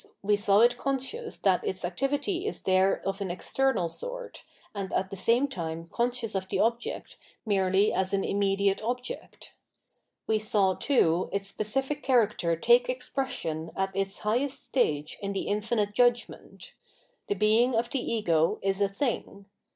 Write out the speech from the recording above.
we saw it conscious that its activity is there of an external sort, and at the same time conscious of the object merely as an immediate object. We saw, too, its specific character take expression at its highest stage in the infinite judgment :" the being of the ego is a thing."